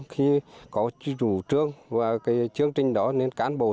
để giúp cho các em đến trường và qua đó cùng tạo động lực cho các em